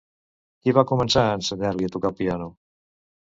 Qui va començar a ensenyar-li a tocar el piano?